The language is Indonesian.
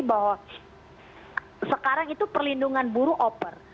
bahwa sekarang itu perlindungan buruh oper